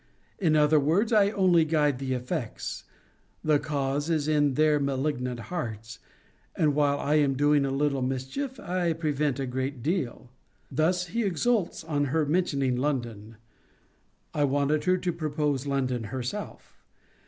In other words, I only guide the effects: the cause is in their malignant hearts: and while I am doing a little mischief, I prevent a great deal. Thus he exalts on her mentioning London: I wanted her to propose London herself.